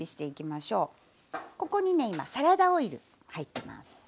ここにね今サラダオイル入ってます。